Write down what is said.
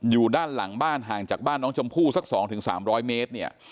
อยู่ด้านหลังบ้านห่างจากบ้านน้องชมพู่สัก๒๓๐๐เมตรเนี่ย